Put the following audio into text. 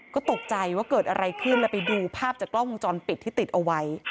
ก็ตกใจว่าเกิดอะไรขึ้นแล้วไปดูภาพจากกล้องวงจรปิดที่ติดเอาไว้